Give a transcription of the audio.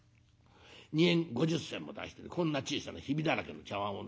２円５０銭も出してこんな小さなヒビだらけの茶わんをね